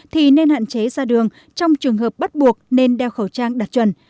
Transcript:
thì nên hạn chế ra đường trong trường hợp bắt buộc nên đeo khẩu trang đặc trần